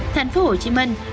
thành phố hồ chí minh